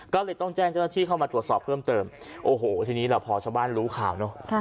ก็เลยต้องแจ้งเจ้าหน้าที่เข้ามาตรวจสอบเพิ่มเติมโอ้โหทีนี้เราพอชาวบ้านรู้ข่าวเนอะ